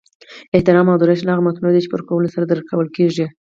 احترام او درنښت هغه متاع ده چی په ورکولو سره درکول کیږي